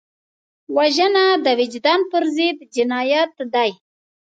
وژنه د وجدان پر ضد جنایت دی